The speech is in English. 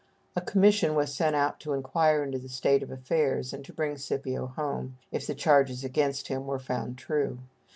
A commission was sent out to inquire into the state of affairs and to bring Scipio home, if the charges against him were found true.